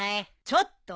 ちょっと！